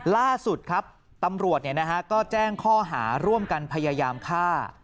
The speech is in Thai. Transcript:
ล่าสุดครับตำรวจก็แจ้งข้อหาร่วมกันพยายามฆ่า